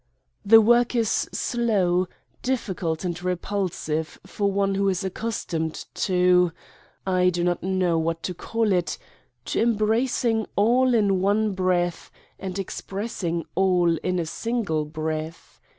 The work is slow, difficult and repulsive for one 1 Satan's Diary who is accustomed to I do not know what to call it to embracing all in one breath and expressing all in a single breath.